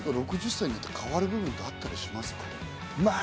６０歳になって変わる部分ってあったりしますか？